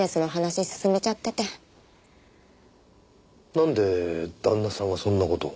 なんで旦那さんがそんな事を？